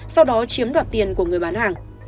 sau đó chiếm đoạt tiền của người bán hàng